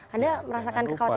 anda merasakan kekhawatiran